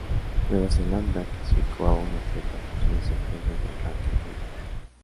Nueva Zelanda clasificó a un atleta por su desempeño en el ranking junior.